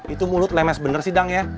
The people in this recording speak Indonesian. itu mulut lemes bener sih dang ya